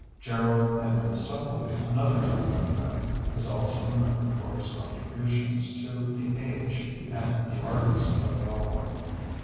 Gerald Henry Supple, another Dublin man, is also remembered for his contributions to the Age and the Argus of Melbourne.